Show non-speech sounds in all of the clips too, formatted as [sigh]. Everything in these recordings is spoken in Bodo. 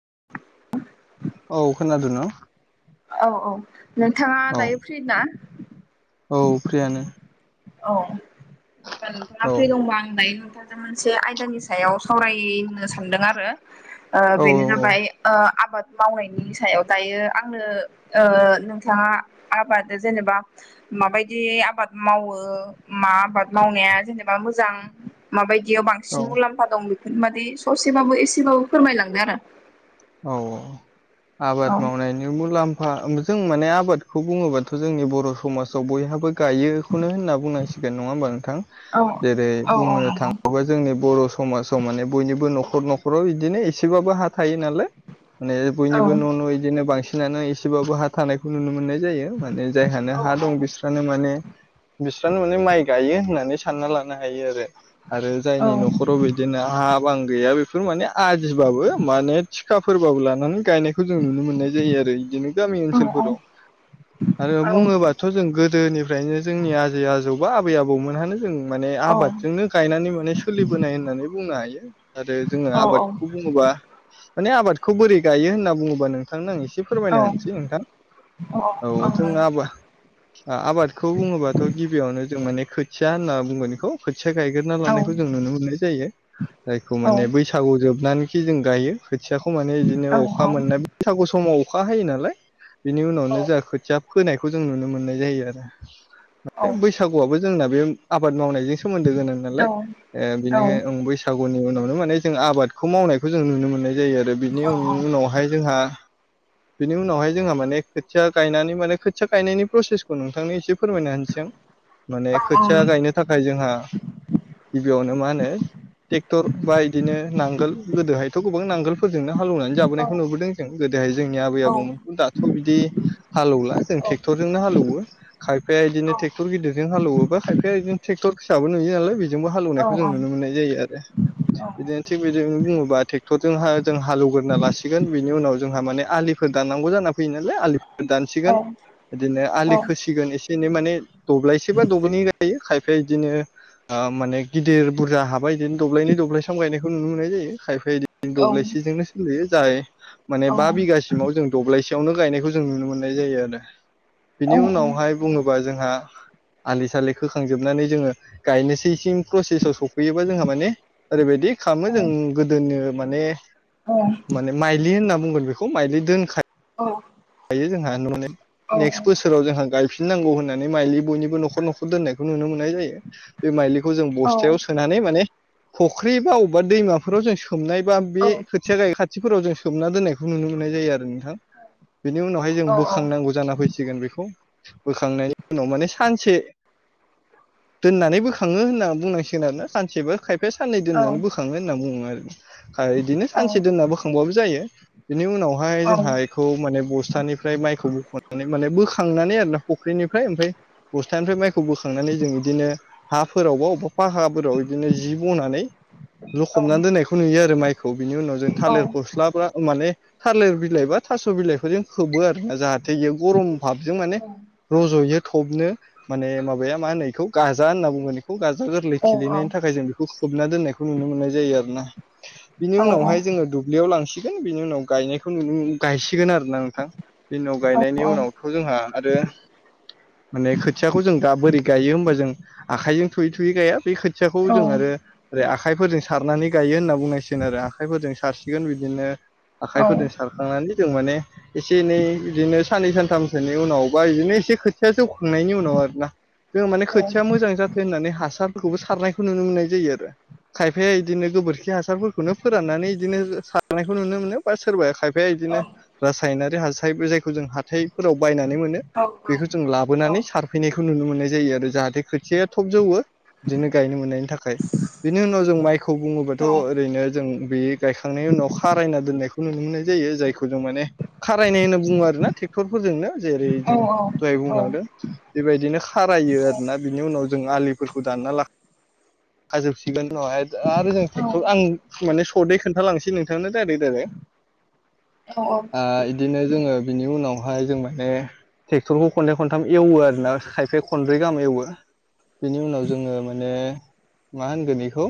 [unintelligible] औ खोनादो न'? औ औ नोंथाङा औ दायो फ्रि ना? औ फ्रियानो। औ दा नोंथाङा औ फ्रि दंबा आं दायो नोथांजों मोनसे आयदानि सायाव सावरायनो सानदों आरो ओ बेनो औ जाबाय ओ आबाद मावनायनि सायाव‌। दायो आंनो ओ नोंथाङा आबाद जेनेबा माबायदि आबाद मावो ओ मा आबाद मावनाया जेनेबा मोजां? माबायदियाव औ बांसिन मुलाम्फा दं? बे फोर मादि ससेबाबो एसेबाबो फोरमायलांदो आरो औ औ आबाद मावनायनि मुलाम फा जों माने आबादखौ बुङोबाथ' जोंनि बर' समाजाव बयहाबो गायोखौनो होनना बुंनांसिगोन। नङा होनबा नोंथां? औ जेरै औ औ बुंनो नंगौ थाङोबा जोंनि बर' स समाजाव माने बयनिबो न'खर न'खराव इदिनो एसेबाबो हा थायो नालाय माने औ बयनिबो न' न' बिदिनो बांसिनानो एसेबाबो हा थानायखौ नुनो मोननाय जायो। माने जायहा नो औ हा दं बिस्रानो माने बिस्रानो माने माइ गायो। होननानै सानना लानो हायो आरो आरो जायनि न'खराव बिदिनो हा बां गैया बेफोर माने आदिबाबो माने थिखाफोरबाबो लानानै गायनायखौ जों नुनो मोननाय जायो आरो इदिनो गामि ओनसोलफोराव। आरो औ बुङोबाथ' जों गोदोनिफ्रायनो जोंनि आजै आजौ बा आबै आबौमोनहानो जों माने औ आबादजोंनो गायनानै माने सोलिबोनाय होननानै बुंनो हायो आरो जोङो औ आबादखौ बुं ङोबा माने आबादखौ बोरै गायो होनना बुङोबा नोंथांनो आं एसे फोरमायना औ होनिसै नोंथां। औ [unintelligible] ओ आबादखौ बुङोबाथ' गिबियावनो जों माने खोथिया होनना बुंगोन इखौ खोथिया गायग्रोना औ लानायखौ जों नुनो मोननाय जायो। जायखौ माने बैसागु जोबनानै खि जों गायो खोथियाखौ माने इदिनो औ अखा मोननाय बैसागु समाव अखा हायो नालाय। बेनि उनावनो जाआ खोथिया फोनायखौ जों नुनो मोननाय जायो आरो औ बैसागुवाबो जोंना [unintelligible] आबाद मावनायजों सोमोनदो गोनां नालाय ओ बिनिखाय ओं बैसागुनि उ नावनो माने जों आबादखौ मावनायखौ जों नुनो मोननाय जायो आरो बिनि उननावहाय जोंहा बिनि उनावहाय जोंहा माने खोथिया गायनानै माने खोथिया गायनायनि प्रसेसखौ नोंथांनो एसे फोरमायना होनोसै आं। माने खोथिया गायनो थाखाय जोंहा गिबियावनो मा होनो टेक्टर बा इदिनो नांगोल गोदोहायथ' गोबां नांगोलफोरजोंनो हालौनानै जाबोनायखौ नुबोदों जों। गोदोहाय जोंनि आबै आबौमोनखौ दाथ' बिदि हाल एवला। जों थेक्थर जोंनो हाल एवो। खायफाया इदिनो टेक्टर गिदिरजों हाल एवो बा खायफाया इदिनो टेक्टर फिसाबो [unintelligible] नालाय बेजोंबो हालौनायखौ जों नुनो मोननाय जायो आरो बिदिनो थिग बेदिनो बुङोबा थेक जों हालेवग्रोना लासिगोन बिनि उनाव जोंहा माने आलिफोर दाननांगौ जाना फैयो नालाय आलि दानसिगोन। बिदिनो आलि खोसिगोन एसे एनै माने दब्लायसे बा दबैनो गायो खायफाया इ दिनो ओ माने गिदिर बुरजा हा बायगोन। दब्लायनै दब्लायथाम गायनायखौ नुनो मोननाय जायो खाय औ दब्लायसेजोंनो सोलियो जाय माने बा बिगासिमाव जों दब्लायसे यावनो गायनायखौ जों नुनो मोननाय जायो आरो बिनि उनावहाय बुङोबा जोंहा आलि सालि खोखांजोबनानै जोङो गायनोसैसिम प्रसेसआव सफैयोबा जोंहा माने ओरैबायदि खामो जों गोदोनो माने माने माइलि होनना बुंगोन बेखौ माइलि दोनखा यो जोंहा माने नेक्स्ट बोसोराव जोंहा गायफिननांगौ होननानै माइलि बयनिबो न'खर न'खर दोननायखौ नुनो मोननाय जायो बे माइलिखौ जों बस्थायाव सोनानै माने फख्रि बा अबेबा दैमाफोराव जों सोमनाय बा बे खोथिया गायै खाथिफोराव जों सोमना दोननायखौ नुनो मोननाय जायो आरो नोंथां। बेनि उनावहाय जों बोखांनांगौ जाना फैसिगोन बेखौ। बोखांनायनि उनाव माने सानसे दोननानै बोखाङो होनना बुंनांसिगोन आरोना सानसेबो खाय फाया साननै दोननानै बोखाङो होनना बुङो आरो इदिनो सानसे दोनना बोखांबाबो जायो। बिनि उनावहाय जोंहा एखौ माने बस्थानिफ्राय माइखौ बख'नानै माने बोखांनानै आरोना फुख्रिनिफ्राय ओमफ्राय बस्थानिफ्राय माइखौ बोखांनानै जों इदिनो हाफोरावबा अबाव फाहाफोराव इदिनो जि बनानै लखबनानै दोननायखौ नुयो आरो माइखौ बिनि उनाव जों थालिर फस्ला बा माने थालिर बिलाइबा थास' बिलाइखौजों खोबो आरोना जाहाथे इयो गरम भाबजों माने रज'यो थबनो माने माबाया मा होनो इखौ गाजा होनना बुंगोन इखौ गाजा गोरलै खिलिनायनि थाखाय जों बेखौ खोबना दोननायखौ नुनो मोननाय जायो आरो ना बिनि उनावहाय जोङो दुब्लियाव लांसि गोन बिनि उनाव गायनायखौ नु गायसिगोन आरो ना। बिनि उनाव गायनायनि उनावथ' जोंहा आरो माने खोथियाखौ जों दा बोरै गायो होमबा जों आखाइजों थुयै थुयै गाया बे खोथियाखौ जों आरो आखाइफोरजों सारनानै गायो होनना बुंनांसिगोन आरो आखाइफोरजों सारसिगोन बिदिनो आखाइफोरदों सारखांनानै जों माने एसे एनै इदिनो साननै सान थामसेनि उनाव बायो नै एसे खोथिया जौखांनायनि उनाव आरोना जोंङो माने खोथिया मोजां जाथों होननानै हासारफोरखौबो सारनायखौ नुनो मोननाय जायो आरो खायफाया इदिनो गोबोरखि हासारफोरखौनो फोराननानै इदिनो सारनायखौ नुनो मोनो बा सोरबाया खाय फाया इदिनो रासायनारि हासारबो जायखौ जों हाथायफोराव बायना नै मोनो बेखौ जों लाबोनानै सारफैनायखौ नुनो मोननाय जायो आरो जाहाथे खोथिाया थब जौवो बिदिनो गायनो मोननायनि थाखाय बिनि उनाव जों माइखौ बुङोबाथ' ओरैनो जों बे गायखांनायनि उनाव खारायना दोननायखौ नुनो मोननाय जायो जायखौ जों माने खारायनाय होनना बुङो आरोना ट्रेक्टर फोरनो जेरै जों दहाय बुंलांदों बेबायदिनो खारायो औ आरोना बिनि उनाव जों आलि फोरखौ दानना ला [inaudible] हाजोबसिगोन उनावहाय आरो जों ट्रेक्टर आं माने सदै खोन्थालांसै नोंथांनो दाइरेक दाइरेक आ इदिनो जोङो बिनि उनाव हाय जों माने ट्रेक्टरखौ खनथै खनथाम एवो आरोना खायफाया खनब्रै गाहाम एवो बेनि उनाव जोङो माने मा होनगोन ऐखौ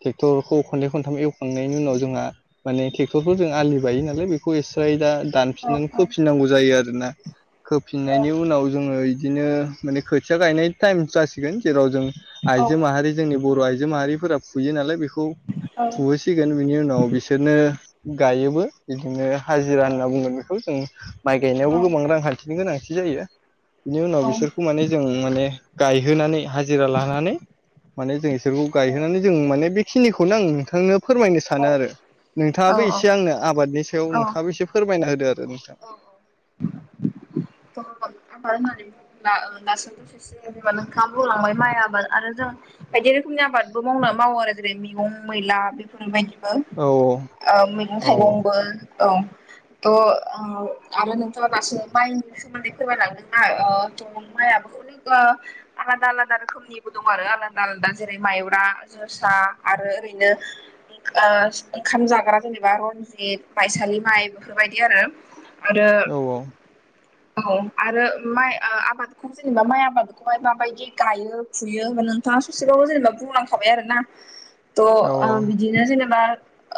ट्रेक्टरखौ खनथै खनथाम एवखांनायनि उनाव जोंहा माने ट्रेक्टरफोर जों आलि बायो नालाय बे खौ एस्राय दा दानफिननानै खोफिननांगौ जायो आरो ना खोफिननायनि उनाव जोङो बिदिनो माने खोथिया गायनाय टाइम जासिगोन जेराव जों औ आइजो माहारि जोंनि बर' आइ जो माहारिफोरा फुयो नालाय बेखौ फुहोसिगोन बिनि उनाव बिसोरनो गायो बो बिदिनो हाजिरा होनना बुंगोन बेखौ जों माइ गायनायावबो गोबां रांखान्थिनि गोनांथि जायो बिनि उनाव बिसोरखौ माने जों माने गायहोनानै हाजिरा लानानै माने जों इसोरखौ गायहोनानै जों माने बेखिनिखौनो आं नोंथांनो फोरमायनो सानो आरो नोंथाङाबो एसे आंनो आबादनि सायाव औ नोंथाङाबो एसे फोरमायना ओ दे दे नोंथां। [inaudible] [unintelligible] आबाद होननानै बुङोब्ला ओ दासो दसे [unintelligible] नोंथाङा बुंलांबाय माइ आबाद आरो जों बायदि रोखोमनि आबादबो मावना मावो आरो जेरै मैगं मैला बेफोरबायदि। बो औ ओ मैगं औ थाइगंबो औ थ' ओ आरो नोंथाङा दासो माइनि सोमोन्दै फोरमायलांदों ना ओ माइआाबो अनेक ओ आलादा आलादा रोखोमनिबो दं आरो आलादा आलादा जेरै मायब्रा जोसा आरो ओरैनो ओ ओंखाम जाग्रा जेनेबा रनजित माइसालि माइ बेफोरबायदि आरो आरो औ औ आरो माइ ओ आबादखौ जेनेबा माइ आबादखौहाय माबायदि गायो फुयो नोंथां। [unintelligible] ससेबाबो जेनेबा बुंलांखाबाय आरोना थ' ओ बिदिनो जेनेबा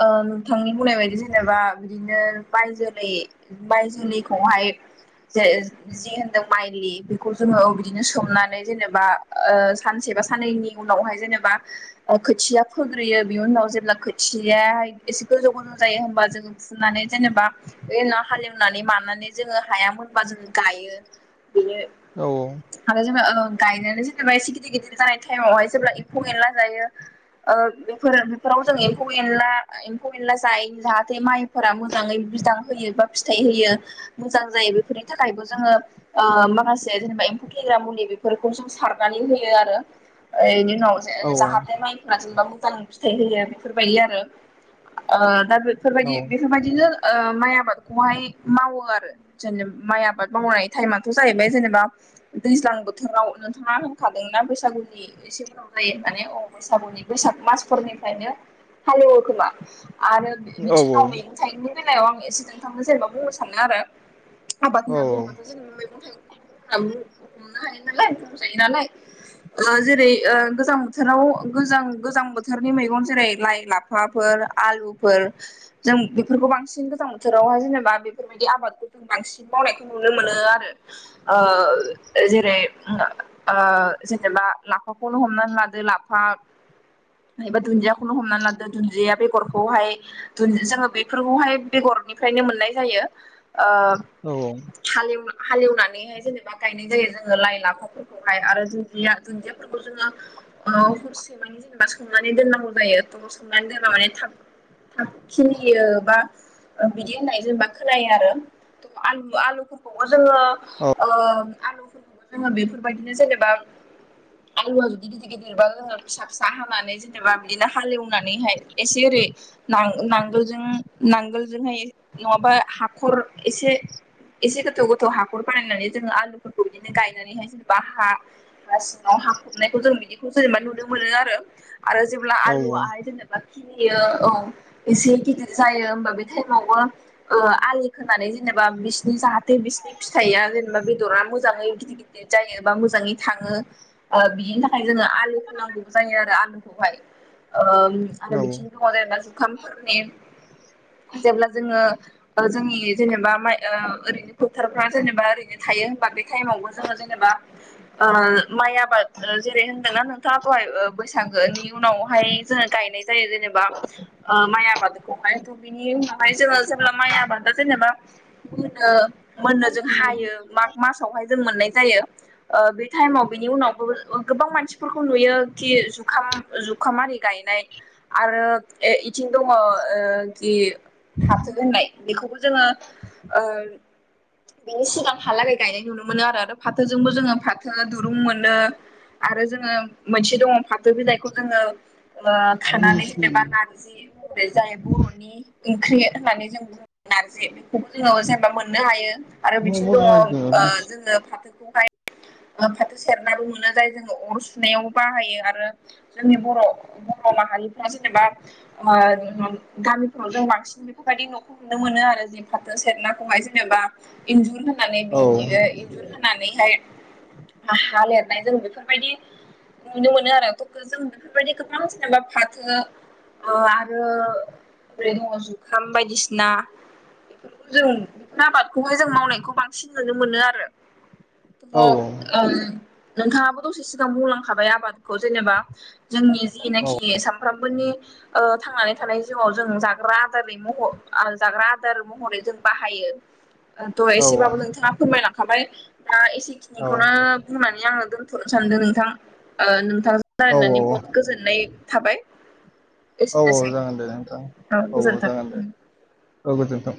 ओ नोंथांनि बुंनाय बायदि जेनेबा बिदिनो माय जोलै माय जोलैखौहाय जे ओ जि होनदों माइलि बेखौ जोङो बिदिनो सोमनानै जेनेबा ओ सानसे बा साननैनि उनावहाय जेनेबा खोथिया फोग्रोयो बेनि उनाव जेब्ला खोथिया एसे गोजौ गोजौ जायो होमबा जोङो फुनानै जेनेबा बेनि उनाव हालेवनानै मानानै जोङो हायामोनबा जों गायो। बेनो आरो जोङो ओ गायनोनो जेनेबा एसे गिदिर गिदिर जानाय टाइमावहाय जेब्ला एम्फौ एनला जायो। ओ बेफोर बेफोराव जों एम्फौ एनला एम्फौ एनला जायो जाहाथे माइफोरा मोजाङै बिदां होयोबाब फिथाइ होयो मोजां जायो बेफोरनि थाखायबो जोङो ओ माखासे जेनेबा एम्फौ थैग्रा मुलि बेफोरखौ जों सारनानै होयो आरो एनि नाव औ जाहाथे माइफोरा जेनेबा मोजाङै फिथाइ होयो बेफोरबायदि आरो ओ दा औ बेफोरबायदि बेफोरबायदिनो ओ माइ आ खौहाय मावो आरो जेनेब माइ आबाद मावनाय टाइमाथ' जाहैबाय जेनेबा दैज्लां बोथोराव नोंथाङा होनखादों ना बैसागुनि एसेफोरावहाय माने औ बैसागुनि बैसाग मास फोरबो फ्रायनो हालेवो खोमा। आरो औ बिथिं गावनायनि थाइनि बेलायाव आं एसे नोंथांनो जेनेबा बुंनो सानो आरो आबाद होनना बुङोबाथ' [unintelligible] मैगं थाइगं हमनो हायो नालाय बुंजायो नालाय। जेरै ओ गोजां बोथोराव गोजां गोजां बोथोरनि मैगं जेरै लाइ लाफाफोर ओ आलुफोर जों बेफोरखौ बांसिन गोजां बोथोरावहाय जेनेबा बेफोरबायदि आबादखौ जों बांसिन मावनायखौ नुनो मोनो आरो जेरै ओ जेनेबा लाफाखौनो हमनानै लादो लाफा एबा दुन्दियाखौनो हमना लादो दुन्दिया बेगरखौहाय दुनजि जोङो बेफोरखौहाय बेगर निफ्रायनो मोननाय जायो ओ हालेव हालेवनानैहाय जेनेबा गायनाय जायो जोङो लाइ लाफाफोरखौहाय आरो दुन्दिया दुन्दियाफोरखौ जोङो औ हरसे माने जेनेबा सोमनानै दोननांगौ जायो थ सोमनानै दोनबा माने थाब थाब खिलियो बा बिदि होननाय जेनेबा खोनायो आरो थ आलु आलुफोरखौबो जोङो ओ आलुफोरखौबो जोङो बेफोरबायदिनो जेनेबा आलुवा जुदि गिदिर गिदिरबा जोङो फिसा फिसा हानानै जेनेबा बिदिनो हालेवनानैहाय एसे ओरै नां नांगोलजों नांगोलजोंहाय नङाबा हाखर एसे एसे गोथौ गोथौ हाखर बानायनानै जोङो आलुफोरखौ बिदिनो गायनानैहाय जेनेबा हा हा सिङाव हाखबनायखौ जों बिदिखौ जेनेबा नुनो मोनो आरो आरो जेब्ला आलुआहाय जेनेबा खिलियो औ एसे गिदिर जायो हबा बे [unintelligible] आलि खोनानै जेनेबा बिसिनि जाहाथे बिसिनि फिथाइया जेनेबा बेदरा मोजाङै गिदिर गिदिर जायो बा मोजाङै थाङो बिनि थाखाय जोङो आलिखौ नांगौ जायो आरो आंलुखौहाय ओ बिथिं दङ जेनबा जुखामफोरनि जेब्ला जोङो जोंनि जेनेबा माइ ओ ओरैनो फोथारफ्रा जेनेबा ओरैनो थायोहोन आ‌ बे थाइमावबो जोङो जेनेबा ओ माय आबाद ओ जेरै होनदोंना नोंथाङा दहाय ओ बै सागोनि उनावहाय जोङो गायनाय जायो जेनेबा ओ माइ आबादखौहाय दुब बिनि उनावहाय जोङो जेब्ला माइ आबादा जेनेबा मोनो मोननो जों हायो माग मासावहाय जों मोननाय जायो ओ बे थाइमाव बिनि उनावबो ओ गोबां मानसिफोरखौ नुयो कि जुखाम [unintelligible] जुखाम आरि गायनाय आरो ए इथिं दङ ओ जि फाथो होननाय बेखौबो जोङो ओ बेनि ओ सिगां हालागै गायनायखौ नुनो मोनो आरो ओ फाथोजोंबो जोङो फाथो दुरुं मोनो। आरो जोङो मोनसे दङ फाथो बिलाइखौ जोङो ओ खानानै जेनेबा नारजि महरै जाय बर'न नि इंख्रि होननानै जों बुङो नारजि बेखौबो जोङो जेनेबा मोननो हायो। आरो बिथिं दङ औ औ ओ औ जोङो फाथोखौहाय ओ फाथो सेरनाबो मोनो जाय जोङो अर सुनायाव बाहायो आरो जोंनि बर' बर' माहारिफ्रा जेनेबा ओ उम गामिफोराव जों बांसिन बेफोरबायदि न'खौ नुनो मोनो आरो जों फाथो सेरनाखौहाय जेनेबा इन्जुर [unintelligible] होनानै औ बेनि ओ इन्जुर होनानैहाय हा हा लिरनाय जों बेफोरबायदि नुनो मोनो आरो थ' खो जों बेफोरबायदि गोबां जेनेबा फाथो आरो बे दङस जुखाम बायदिसिना जों आबादखौहाय जों मावनायखौ बांसिन नुनो मोनो आरो [unintelligible] औ ओम नोंथाङाबो दसे सिगां बुंलांखाबाय आबादखौ जेनेबा जोंनि औ जिनाखि सामफ्रामबोनि ओ थांनानै थानाय ज जिआव जोङो जाग्रा आदारै मह आ जाग्रा आदार महरै जों बाहायो। ओ दहय औ एसेबाबो नोंथाङा फोरमायलांखाबाय दा एसेखिनिखौनो बुंनानै आङो दोन थ सानदों नोंथां ओ नोंथांजों औ रायलायनानै बहुद गोजोननाय थाबाय। औ अ एसेनोसै जागोन दे नोंथां औ ओ जागोन दे औ गोजोनथों।